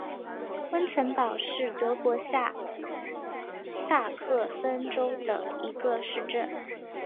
温岑堡是德国下萨克森州的一个市镇。